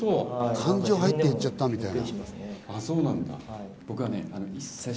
感情入って言っちゃったみたいな。